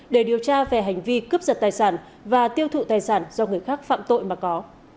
để điều tra về hành vi cướp giật tài sản và tiêu thụ tài sản do người khác phạm tội mà có